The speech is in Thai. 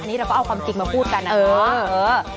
นี่เราก็เอาความจริงมาพูดกันนะเออ